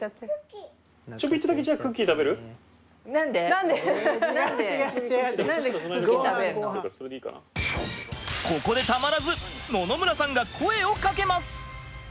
ここでたまらず野々村さんが声をかけます。